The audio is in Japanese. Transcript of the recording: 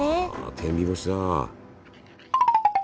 天日干しだ。